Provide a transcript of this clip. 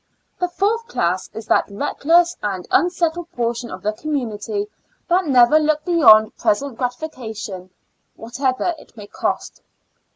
The fourth class is that reckless and un settled portion of community that never look beyond present gratification, whatever it may cost.